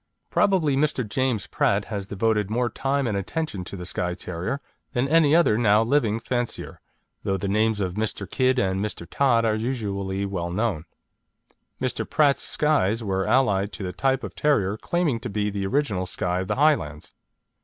Probably Mr. James Pratt has devoted more time and attention to the Skye Terrier than any other now living fancier, though the names of Mr. Kidd and Mr. Todd are usually well known. Mr. Pratt's Skyes were allied to the type of terrier claiming to be the original Skye of the Highlands.